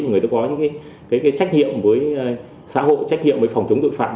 người ta có những trách nhiệm với xã hội trách nhiệm với phòng chống tội phạm